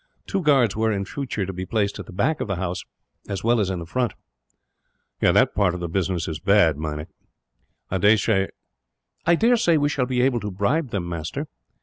Two guards were, in future, to be placed at the back of the house, as well as in the front." "That part of the business is bad, Meinik." "I dare say we shall be able to bribe them, master.